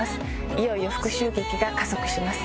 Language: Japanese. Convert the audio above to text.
いよいよ復讐劇が加速します